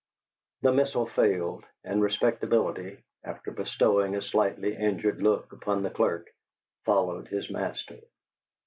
The missile failed, and Respectability, after bestowing a slightly injured look upon the clerk, followed his master.